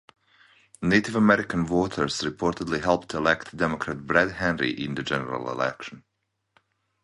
Native American voters reportedly helped elect Democrat Brad Henry in the general election.